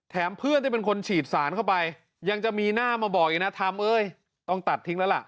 เพื่อนที่เป็นคนฉีดสารเข้าไปยังจะมีหน้ามาบอกอีกนะทำเอ้ยต้องตัดทิ้งแล้วล่ะ